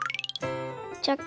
チョキ。